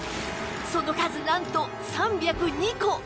その数なんと３０２個！